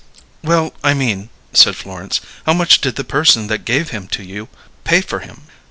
"Well, I mean," said Florence, "how much did the person that gave him to you pay for him?"